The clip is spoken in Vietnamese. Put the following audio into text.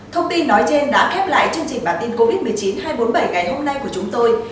thông tin nói trên đã khép lại chương trình bản tin covid một mươi chín hai trăm bốn mươi bảy ngày hôm nay của chúng tôi